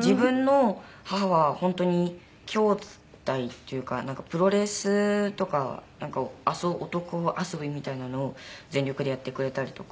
自分の母は本当にきょうだいっていうかプロレスとか男遊びみたいなのを全力でやってくれたりとか。